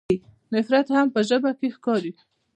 نفرت هم په ژبه کې ښکاري.